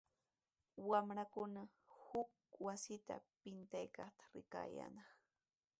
Wamrakuna huk wasita quntaykaqta rikayaanaq.